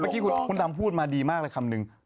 มะคิดคุณดำพูดมาดีมากเลยคำนึง